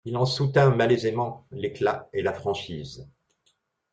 Il en soutint malaisément l'éclat et la franchise.